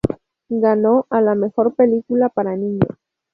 Ganó a la mejor película para niños.